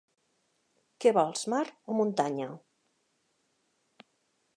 Què vols, mar o muntanya?